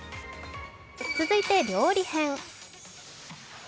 続いて料理編。